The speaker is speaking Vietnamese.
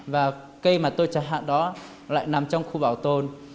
và cây mà tôi trả hạ đó lại nằm trong khu bảo tồn